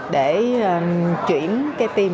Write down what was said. để chuyển cái tim